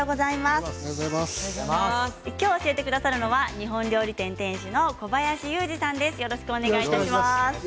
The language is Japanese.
今日、教えてくださるのは日本料理店店主の小林雄二さんです。